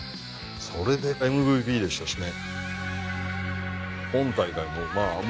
それでＭＶＰでしたしね。